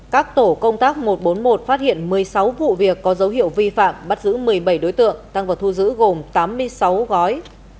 các tổ công tác một trăm bốn mươi một phát hiện một mươi sáu vụ việc có dấu hiệu vi phạm bắt giữ một mươi bảy đối tượng tăng vào thu giữ gồm tám mươi sáu gói